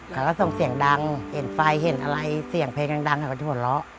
แล้วก็ส่งเสียงดังเห็นไฟเห็นอะไรเสียงเพลงดังเขาก็จะหัวเราะ